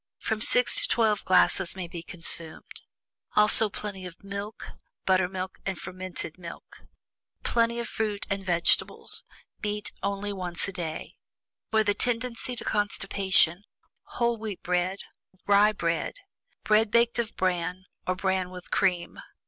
From six to twelve glasses may be consumed. Also plenty of milk, buttermilk and fermented milk. Plenty of fruit and vegetables. Meat only once a day. For the tendency to constipation, whole wheat bread, rye bread, bread baked of bran, or bran with cream.